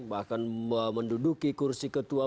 bahkan menduduki kursi ketua